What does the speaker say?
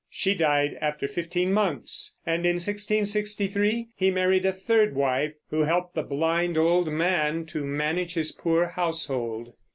She died after fifteen months, and in 1663 he married a third wife, who helped the blind old man to manage his poor household.